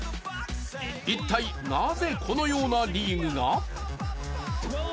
一体なぜこのようなリーグが？